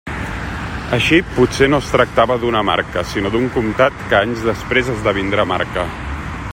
Així potser no es tractava d'una marca sinó d'un comtat que anys després esdevindrà marca.